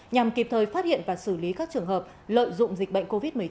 nhằm kịp thời phát hiện và xử lý các trường hợp lợi dụng dịch bệnh covid một mươi chín